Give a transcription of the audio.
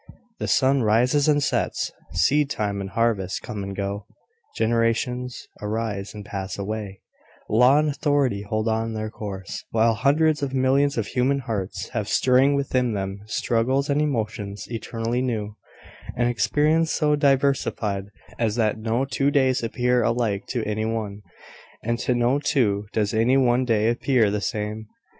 The sun rises and sets, seed time and harvest come and go, generations arise and pass away, law and authority hold on their course, while hundreds of millions of human hearts have stirring within them struggles and emotions eternally new, an experience so diversified as that no two days appear alike to any one, and to no two does any one day appear the same.